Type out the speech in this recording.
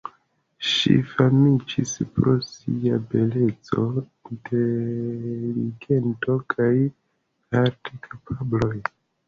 Ŝi famiĝis pro sia beleco, inteligento kaj artaj kapabloj.